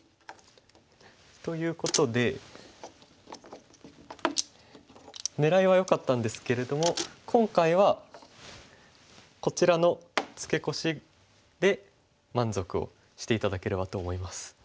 ということで狙いはよかったんですけれども今回はこちらのツケコシで満足をして頂ければと思います。